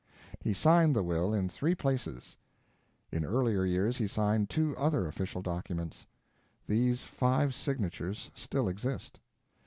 He signed the will in three places. In earlier years he signed two other official documents. These five signatures still exist.